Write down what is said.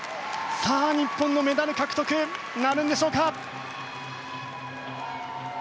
さあ、日本のメダル獲得なるんでしょうか。